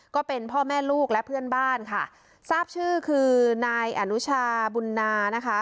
ก็เป็นพ่อแม่ลูกและเพื่อนบ้านค่ะทราบชื่อคือนายอนุชาบุญนานะคะ